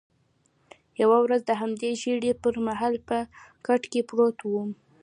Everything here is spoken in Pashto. یوه ورځ د همدې ژېړي پر مهال په کټ کې پروت وم.